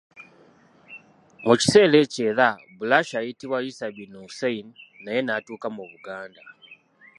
Mu kiseera ekyo era, Balushi, ayitibwa Isa bin Hussein, naye n'atuuka mu Buganda.